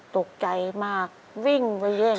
ตกใจมากวิ่งไว้อย่างนี้